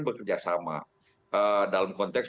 bekerjasama dalam konteks